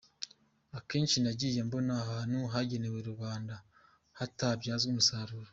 Akenshi nagiye mbona ahantu hagenewe rubanda hatabyazwa umusaruro.